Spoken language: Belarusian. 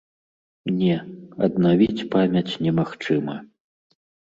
Не, аднавіць памяць немагчыма.